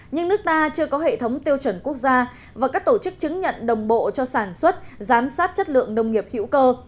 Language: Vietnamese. nhưng nước ta chưa có hệ thống tiêu chuẩn quốc gia và các tổ chức chứng nhận đồng bộ cho sản xuất giám sát chất lượng nông nghiệp hữu cơ